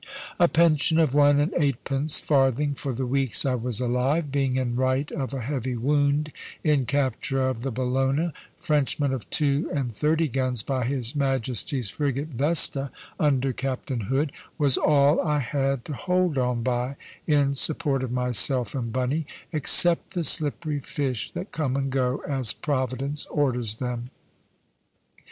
A pension of one and eightpence farthing for the weeks I was alive (being in right of a heavy wound in capture of the Bellona, Frenchman of two and thirty guns, by his Majesty's frigate Vesta, under Captain Hood) was all I had to hold on by, in support of myself and Bunny, except the slippery fish that come and go as Providence orders them.